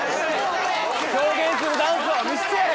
表現するダンスを見せてやれ！